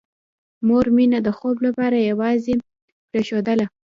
مور مينه د خوب لپاره یوازې پرېښودله